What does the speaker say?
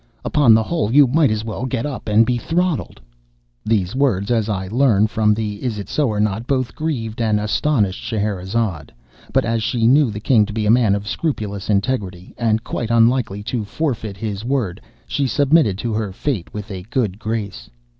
Upon the whole, you might as well get up and be throttled." These words, as I learn from the "Isitsöornot," both grieved and astonished Scheherazade; but, as she knew the king to be a man of scrupulous integrity, and quite unlikely to forfeit his word, she submitted to her fate with a good grace.